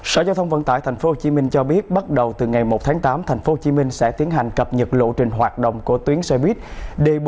sở giao thông vận tải tp hcm cho biết bắt đầu từ ngày một tháng tám tp hcm sẽ tiến hành cập nhật lộ trình hoạt động của tuyến xe buýt d bốn